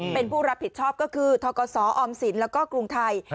เป็นผู้รับผิดชอบก็คือทกศออมสินแล้วก็กรุงไทย